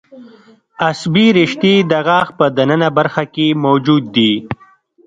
عصبي رشتې د غاښ په د ننه برخه کې موجود دي.